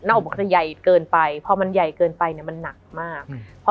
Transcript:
นั่นออกจะใหญ่เกินไปพอมันใหญ่เกินไปเนี้ยมันหนักมากอืม